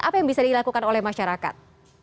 apa yang bisa dilakukan oleh masyarakat